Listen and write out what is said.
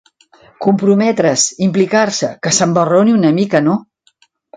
Comprometre's, implicar-se: Que s'embarroni una mica no?